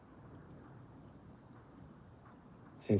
先生